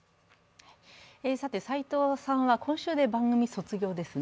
さて齋藤さんは今週で番組卒業ですね。